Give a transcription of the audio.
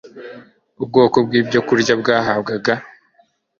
Ubwoko bwibyokurya byahabwaga